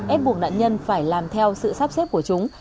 ép buộc nạn nhân phải làm theo sự sắp xếp của chúng